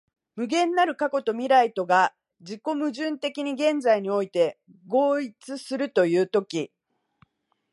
無限なる過去と未来とが自己矛盾的に現在において合一するという時、